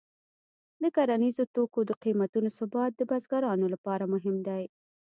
د کرنیزو توکو د قیمتونو ثبات د بزګرانو لپاره مهم دی.